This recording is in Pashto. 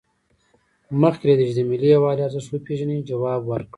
مخکې له دې چې د ملي یووالي ارزښت وپیژنئ ځواب ورکړئ.